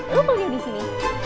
lo kuliah disini